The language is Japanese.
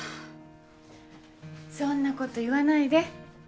そんなこと言わないで。